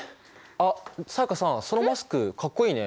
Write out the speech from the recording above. あっ才加さんそのマスクかっこいいね。